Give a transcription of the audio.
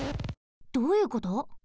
どういうこと？